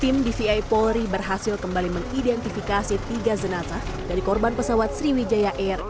tim dvi polri berhasil kembali mengidentifikasi tiga jenazah dari korban pesawat sriwijaya air